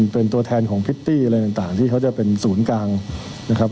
เป็นตัวแทนของพริตตี้อะไรต่างที่เขาจะเป็นศูนย์กลางนะครับ